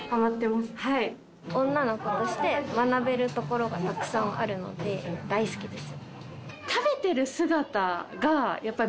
女の子として学べるところがたくさんあるので大好きです。